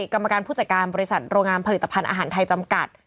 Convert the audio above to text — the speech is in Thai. กรรมการผู้จัดการบริษัทโรงงานผลิตภัณฑ์อาหารไทยจำกัด